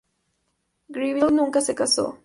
Greville nunca se casó.